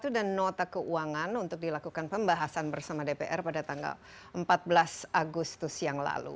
dan nota keuangan untuk dilakukan pembahasan bersama dpr pada tanggal empat belas agustus yang lalu